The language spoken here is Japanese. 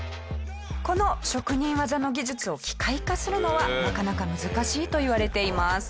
この職人技の技術を機械化するのはなかなか難しいといわれています。